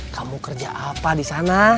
kamu kerja apa disana